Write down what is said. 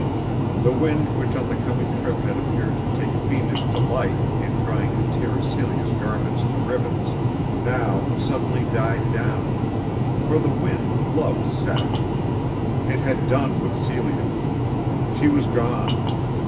The wind which on the coming trip had appeared to take fiendish delight in trying to tear Celia's garments to ribbons, now suddenly died down, for the wind loved Seth. It had done with Celia. She was gone.